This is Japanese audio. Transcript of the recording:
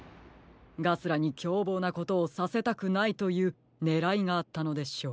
ガスラにきょうぼうなことをさせたくないというねらいがあったのでしょう。